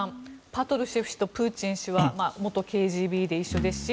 パトルシェフ氏とプーチン氏は元ＫＧＢで一緒ですし